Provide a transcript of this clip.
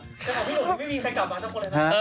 แต่ของพี่หนุ่มยังไม่มีใครกลับมาทั้งคนเลยนะ